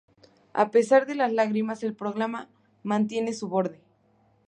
A pesar de las lágrimas, el programa mantiene su borde.